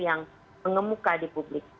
yang mengemuka di publik